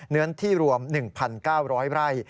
เนื้อนที่รวม๑๙๐๐ไร่